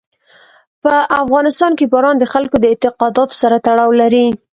په افغانستان کې باران د خلکو د اعتقاداتو سره تړاو لري.